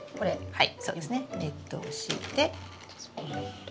はい。